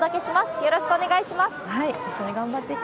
よろしくお願いします。